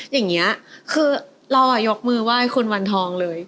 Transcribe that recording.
อย่างนี้คือเรายกมือไหว้คุณวันทองเลย